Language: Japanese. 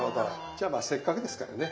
じゃあまあせっかくですからね